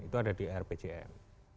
itu ada di rpjm